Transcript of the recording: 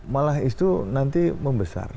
malah itu nanti membesar